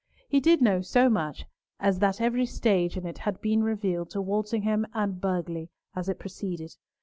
He did know so much as that every stage in it had been revealed to Walsingham and Burghley as it proceeded.